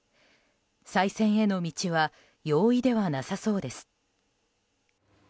再選への道は容易ではなさそうです。